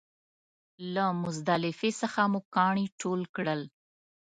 له مزدلفې څخه مو کاڼي ټول کړل.